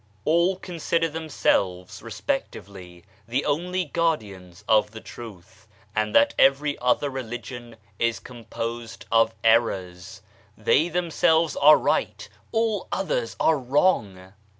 All consider themselves, respectively, the only Guar dians of the Truth, and that every other Religion is composed of errors. They themselves are right, all others are wrong